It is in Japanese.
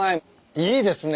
いいですね